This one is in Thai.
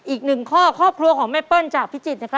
อีก๑ข้อครอบครัวของแม่เปิ้ลจากพิจิตย์